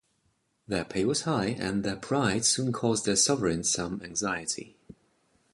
Their pay was high, and their pride soon caused their sovereign some anxiety.